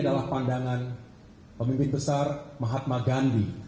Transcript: ini adalah pandangan pemimpin besar mahatma gandhi